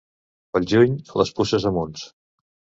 Pel juny, les puces a munts.